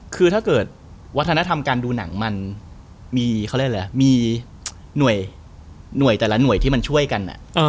คือถ้าเกิดวัฒนธรรมการดูหนังมันมีเขาเรียกอะไรมีหน่วยแต่ละหน่วยที่มันช่วยกัน